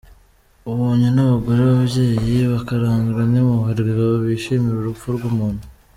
Ubonye n’abagore, ababyeyi bakaranzwe n’impuhwe ngo bishimire urupfu rw’umuntu?